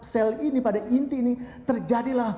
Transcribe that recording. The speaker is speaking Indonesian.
sel ini pada inti ini terjadilah